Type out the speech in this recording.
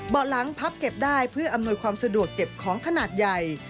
เบาะหลังพับเก็บได้เพื่ออำนวยความสะดวกเก็บของขนาดใหญ่